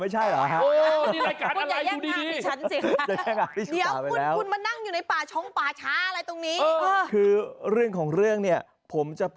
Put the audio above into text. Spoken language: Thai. เฮ้ยอย่างแปป